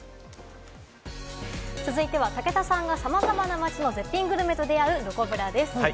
続いては、武田さんがさまざまな街の絶品グルメと出会う、どこブラです。